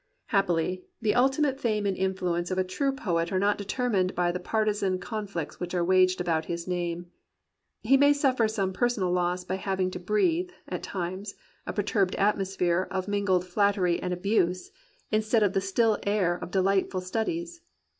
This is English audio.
Happily, the ultimate fame and influence of a true poet are not determined by the partizan con flicts which are waged about his name. He may suffer some personal loss by having to breathe, at times, a perturbed atmosphere of mingled flattery 168 THE POET OF IMMORTAL YOUTH and abuse instead of the still air of delightful stud ies.